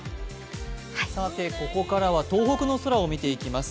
ここからは東北の空を見ていきます。